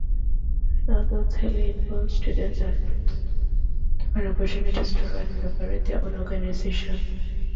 Northwood's highly involved students are given opportunities to run and operate their own organizations.